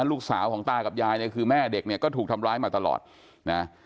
ลูกสาวของตากับยายเนี่ยคือแม่เด็กเนี่ยก็ถูกทำร้ายมาตลอดนะ